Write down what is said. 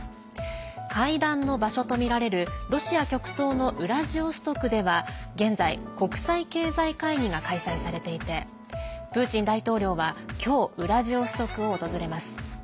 会談の場所とみられるロシア極東のウラジオストクでは現在、国際経済会議が開催されていてプーチン大統領は今日ウラジオストクを訪れます。